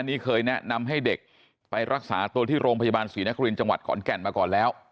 นี่เคยแนะนำให้เด็กไปรักษาตัวที่โรงพยาบาลศรีนครินจังหวัดขอนแก่นมาก่อนแล้ว